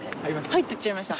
入っていっちゃいました。